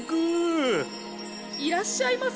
いらっしゃいませ。